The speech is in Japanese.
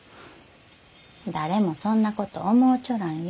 誰もそんなこと思うちょらんよ。